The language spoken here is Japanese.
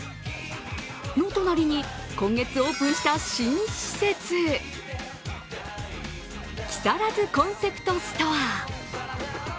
の隣に今月オープンした新施設、木更津コンセプトストア。